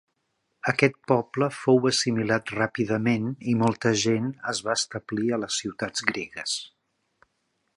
Aquest poble fou assimilat ràpidament i molta gent es va establir a les ciutats gregues.